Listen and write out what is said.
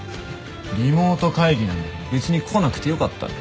リモート会議なんだから別に来なくてよかったのに。